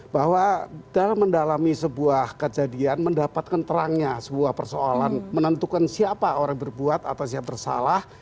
bahwa dalam mendalami sebuah kejadian mendapatkan terangnya sebuah persoalan menentukan siapa orang berbuat atau siapa bersalah